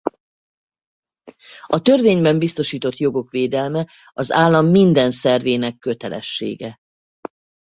A törvényben biztosított jogok védelme az állam minden szervének kötelessége.